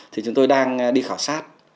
thì chúng tôi đang đi khảo sát